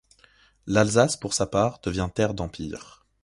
L'Alsace pour sa part devient terre d'Empire.